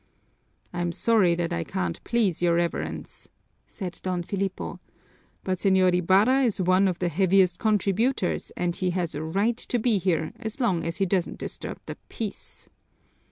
"I'm sorry that I can't please your Reverence," said Don Filipo, "but Señor Ibarra is one of the heaviest contributors and has a right to be here as long as he doesn't disturb the peace."